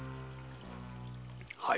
はい。